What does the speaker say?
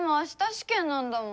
試験なんだもん。